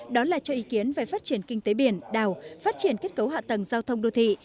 đó là cho ý kiến về phát triển kinh tế biển đảo phát triển kết cấu hạ tầng giao thông đô thị